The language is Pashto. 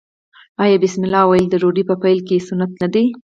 آیا بسم الله ویل د ډوډۍ په پیل کې سنت نه دي؟